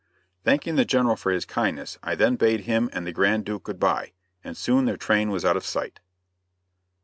Thanking the General for his kindness, I then bade him and the Grand Duke good bye, and soon their train was out of sight.